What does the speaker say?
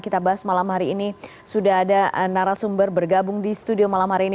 kita bahas malam hari ini sudah ada narasumber bergabung di studio malam hari ini